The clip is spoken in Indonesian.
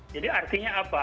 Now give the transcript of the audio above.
jadi artinya apa